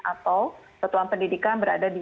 atau satuan pendidikan berada di